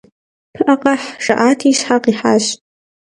«Пыӏэ къэхь» жаӏати, щхьэ къихьащ.